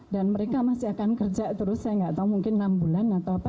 dan mereka masih akan kerja terus saya nggak tahu mungkin enam bulan atau apa